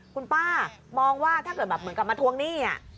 คุณป้ามองว่าถ้าเกิดแบบเหมือนกับมาทวงหนี้